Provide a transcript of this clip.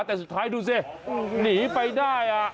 แต่สุดท้ายดูสิหนีไปได้